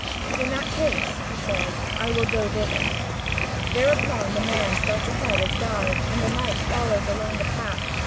"In that case," he says, "I will go thither." Thereupon the man starts ahead as guide, and the knight follows along the path.